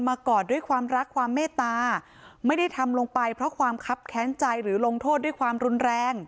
กอดด้วยความรักความเมตตาไม่ได้ทำลงไปเพราะความคับแค้นใจหรือลงโทษด้วยความรุนแรง